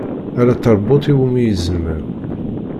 Ala taṛbut iwumi izmer.